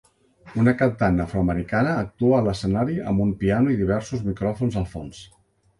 Una cantant afroamericana actua a l'escenari amb un piano i diversos micròfons al fons.